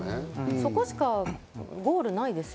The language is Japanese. そこしかゴールはないですよ